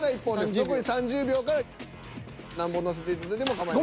残り３０秒から何本乗せていただいても。